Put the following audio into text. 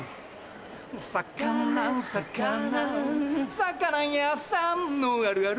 魚屋さんのあるある